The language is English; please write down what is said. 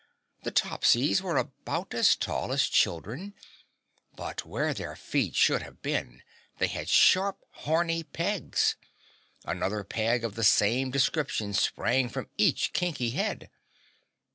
The Topsies were about as tall as children, but where their feet should have been, they had sharp horny pegs. Another peg of the same description sprung from each kinky head.